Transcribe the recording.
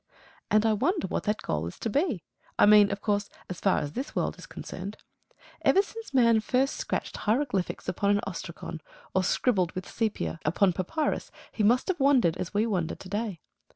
And I wonder what that goal is to be! I mean, of course, as far as this world is concerned. Ever since man first scratched hieroglyphics upon an ostracon, or scribbled with sepia upon papyrus, he must have wondered, as we wonder to day.